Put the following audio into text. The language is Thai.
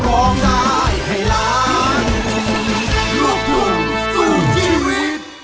โปรดติดตามตอนต่อไป